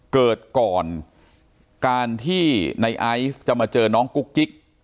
เกิดก่อนการที่ในไอซ์จะมาเจอน้องกุ๊กกิ๊ก